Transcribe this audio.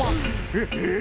えっええ？